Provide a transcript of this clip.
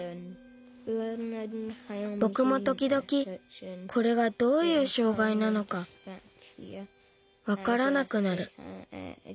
ぼくもときどきこれがどういう障害なのかわからなくなる。